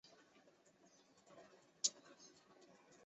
还是会被扔在厨余回收箱中等待循环再用的下一个热恋周期？